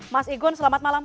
mas igun selamat malam